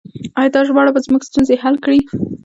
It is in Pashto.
آیا دا ژباړه به زموږ ستونزې حل کړي؟